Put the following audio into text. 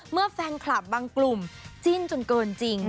เมื่อแฟนคลับบางกลุ่มจิ้นจนเกินจริง